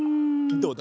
どうだ？